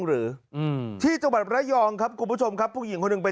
หรือที่จังหวัดระยองครับกลุ่มผู้ผู้ชมครับผู้หญิงคนหนึ่งไป